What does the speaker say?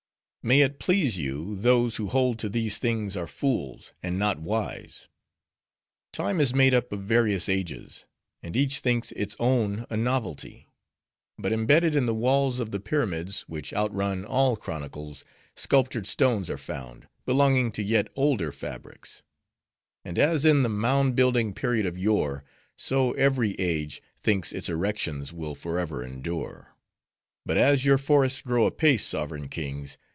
"May it please you, those who hold to these things are fools, and not wise. "Time is made up of various ages; and each thinks its own a novelty. But imbedded in the walls of the pyramids, which outrun all chronologies, sculptured stones are found, belonging to yet older fabrics. And as in the mound building period of yore, so every age thinks its erections will forever endure. But as your forests grow apace, sovereign kings!